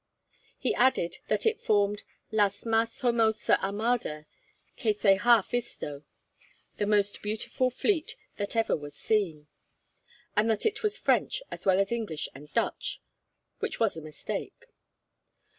He added that it formed la mas hermosa armada que se ha visto, the most beautiful fleet that ever was seen; and that it was French as well as English and Dutch, which was a mistake.